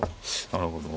なるほど。